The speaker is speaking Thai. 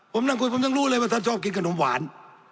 ผมนั่งคุยผมยังรู้เลยว่าท่านชอบกินขนมหวาน